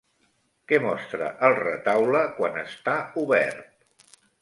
Què mostra el retaule quan està obert?